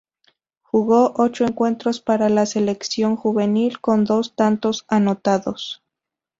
Jugó ocho encuentros para la selección juvenil, con dos tantos anotados.